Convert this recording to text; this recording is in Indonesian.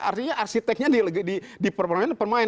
artinya arsiteknya di permainan permain